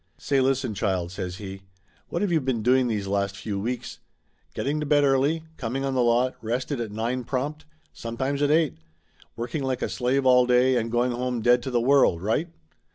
"Say listen, child !" says he. "What have you been doing these last few weeks? Getting to bed early, coming on the lot, rested, at nine prompt. Sometimes at eight. Working like a slave all day and going home dead to the world. Right